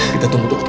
kita tunggu dokter